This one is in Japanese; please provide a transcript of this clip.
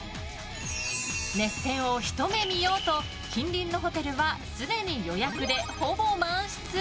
熱戦をひと目見ようと近隣のホテルはすでに予約で、ほぼ満室！